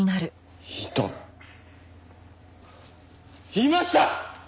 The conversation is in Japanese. いました！